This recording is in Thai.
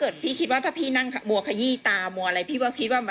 สิครับผมก็คิดว่า